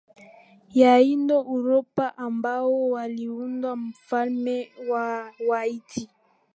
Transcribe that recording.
ya Indo Uropa ambao waliunda ufalme wa Wahiti